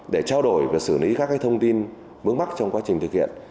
để trao đổi và xử lý các cái thông tin vướng bắc trong quá trình thực hiện